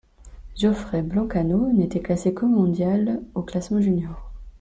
Geoffrey Blancaneaux n'était classé que mondial au classement junior.